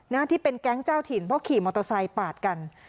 นะที่เป็นแก๊งเจ้าถิ่นเพราะขี่มอเตอร์ไซค์ปาดกัน